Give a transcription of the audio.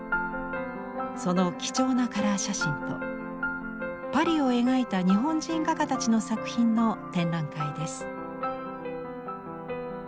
その貴重なカラー写真とパリを描いた日本人画家たちの作品の展覧会です。